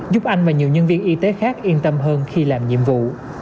giúp anh và nhiều nhân viên y tế khác yên tâm hơn khi làm nhiệm vụ